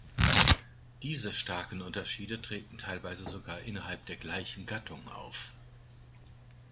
Diese starken Unterschiede treten teilweise sogar innerhalb der gleichen Gattung auf.